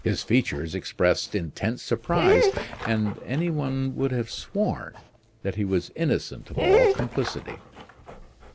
His features expressed intense surprise, and any one would have sworn that he was innocent of all complicity.